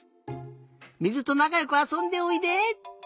水となかよくあそんでおいで！